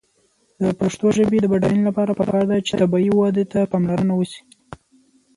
د پښتو ژبې د بډاینې لپاره پکار ده چې طبیعي وده ته پاملرنه وشي.